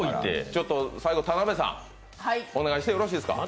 ちょっと最後、田辺さんお願いしていいですか？